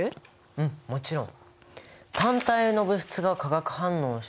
うんもちろん！